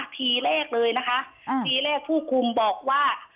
ทีแรกเลยนะคะทีแรกผู้คุมบอกว่า